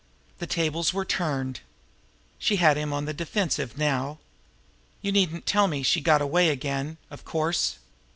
The tables were turned. She had him on the defensive now. "You needn't tell me I She got away again, of course!